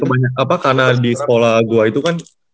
banyak apa karena di sekolah gue itu kan